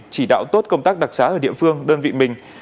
chỉ đạo tốt công tác đặc sá ở địa phương đơn vị mình